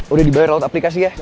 udah dibayar lewat aplikasi ya